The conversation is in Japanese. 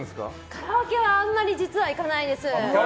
カラオケはあんまり実は行かないです。